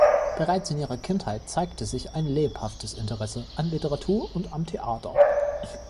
Bereits in ihrer Kindheit zeigte sich ein lebhaftes Interesse an Literatur und am Theater.